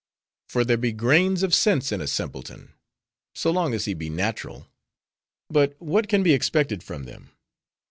For there be grains of sense in a simpleton, so long as he be natural. But what can be expected from them?